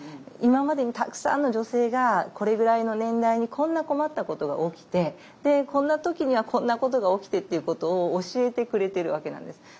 今までにたくさんの女性がこれぐらいの年代にこんな困ったことが起きてこんな時にはこんなことが起きてっていうことを教えてくれてるわけなんです。